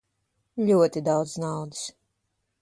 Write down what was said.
Ļoti daudz naudas.